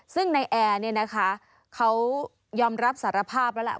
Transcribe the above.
ซึ่งในแอร์เขายอมรับสารภาพแล้ว